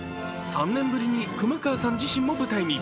更に、３年ぶりに熊川さん自身も舞台に。